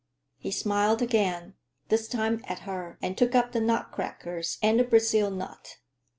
He smiled again, this time at her, and took up the nutcrackers and a Brazil nut.